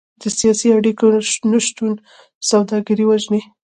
د سیاسي اړیکو نشتون سوداګري وژني.